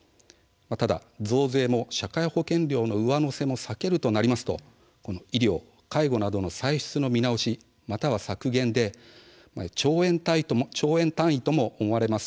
ただ増税も社会保険料の上乗せも避けるとなりますと医療や介護などの歳出の見直しまたは削減で兆円単位とも思われます。